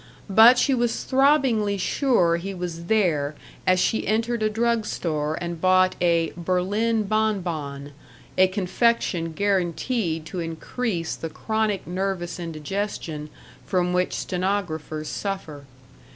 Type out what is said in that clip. But she was throbbingly sure he was there as she entered a drug store and bought a "Berline bonbon," a confection guaranteed to increase the chronic nervous indigestion from which stenographers suffer.